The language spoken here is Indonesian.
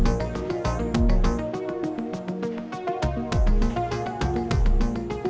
aku berasal labuh ktery twitch